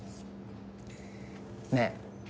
ねえ。